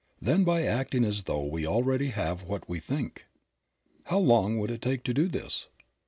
Then by acting as though we already have what we think. How long would it take to do this?